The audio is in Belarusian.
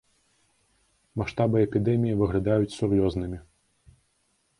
Маштабы эпідэміі выглядаюць сур'ёзнымі.